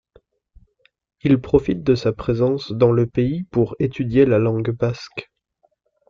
Il profite de sa présence dans le pays pour étudier la langue basque.